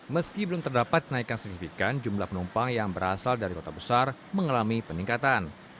meski belum terdapat kenaikan signifikan jumlah penumpang yang berasal dari kota besar mengalami peningkatan